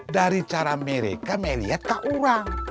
dari cara mereka melihat ke orang